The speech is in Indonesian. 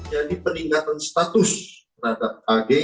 jadi peningkatan status berhadapan ag